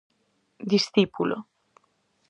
Discípulo.